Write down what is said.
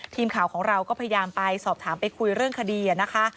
ทีมข่าวของเราก็พยายามไปสอบถามไปคุยเรื่องคดีนะคะ